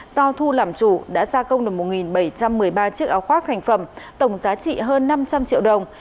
do thu làm chủ đã gia công được một bảy trăm một mươi ba chiếc áo khoác thành phẩm tổng giá trị hơn năm trăm linh triệu đồng